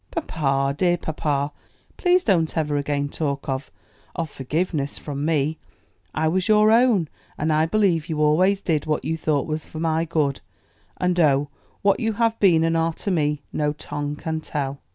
"Papa, dear papa, please don't ever again talk of of forgiveness from me; I was your own, and I believe you always did what you thought was for my good; and oh, what you have been, and are to me, no tongue can tell."